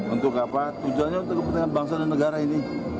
untuk apa tujuannya untuk kepentingan bangsa dan negara ini